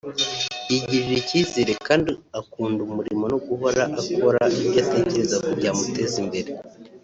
yigirira icyizere kandi akunda umurimo no guhora akora ibyo atekereza ko byamuteza imbere